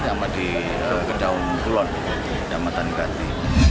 sama di kedahun kulon di damatan krati